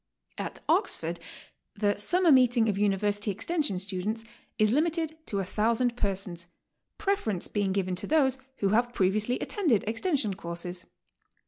At Oxford, the ''Summer Meeting of University Extension Students" is limited to a thousand persons, prefer ence being given to those who have previously attended Extension courses.